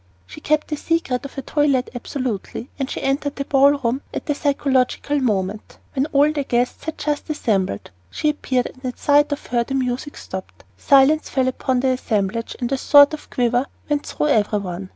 She kept the secret of her toilet absolutely, and she entered the ballroom at the psychological moment, when all the guests had just assembled. She appeared; and at sight of her the music stopped, silence fell upon the assemblage, and a sort of quiver went through every one.